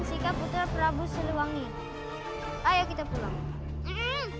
sebagai bekal muklah berangkat menjadi seorang pemimpin